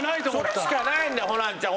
それしかないんだよホランちゃん。